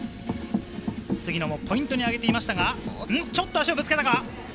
杉野もポイントに挙げていましたが、ちょっと足をぶつけたか？